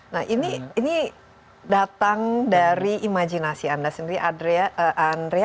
nah ini datang dari imajinasi anda sendiri andrea